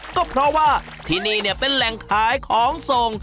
ก็เพราะว่าที่นี่เป็นแหล่งขายของส่ง